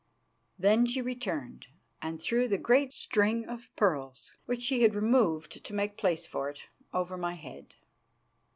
Then she returned, and threw the great strings of pearls, which she had removed to make place for it, over my head.